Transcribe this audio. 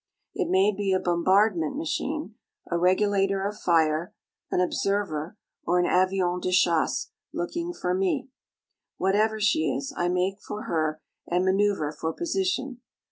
It may be a bombardment machine, a regulator of fire, an observer, or an avion de chasse looking for me. Whatever she is I make for her and manoeuvre for position.